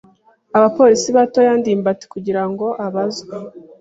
Abapolisi batoye ndimbati kugira ngo abazwe.